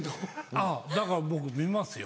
あぁだから僕見ますよ。